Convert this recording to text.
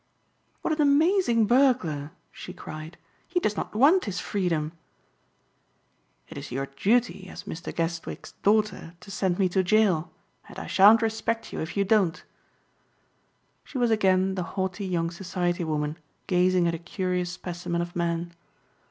"What an amazing burglar!" she cried, "he does not want his freedom." "It is your duty as Mr. Guestwick's daughter to send me to jail and I shan't respect you if you don't." She was again the haughty young society woman gazing at a curious specimen of man.